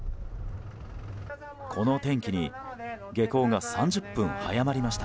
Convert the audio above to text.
この天気に下校が３０分早まりました。